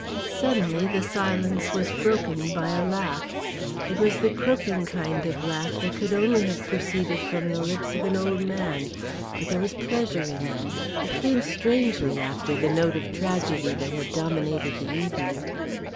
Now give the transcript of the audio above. Suddenly the silence was broken by a laugh. It was the croaking kind of laugh that could only have proceeded from the lips of an old man. But there was pleasure in it. It came strangely after the note of tragedy that had dominated the evening.